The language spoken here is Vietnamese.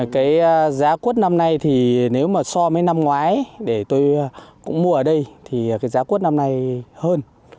cái giá cuốt năm nay thì nếu mà so với năm ngoái để tôi cũng mua ở đây thì cái giá cuốt năm nay hơn